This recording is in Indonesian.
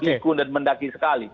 ikun dan mendaki sekali